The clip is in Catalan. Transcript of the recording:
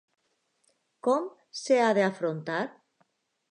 Com s’ha d’afrontar?